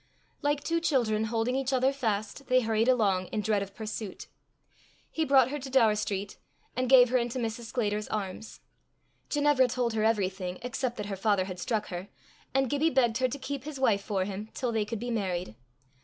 Like two children, holding each other fast, they hurried along, in dread of pursuit. He brought her to Daur street, and gave her into Mrs. Sclater's arms. Ginevra told her everything except that her father had struck her, and Gibbie begged her to keep his wife for him till they could be married.